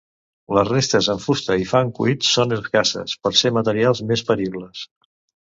Les restes en fusta i fang cuit són escasses, per ser materials més peribles.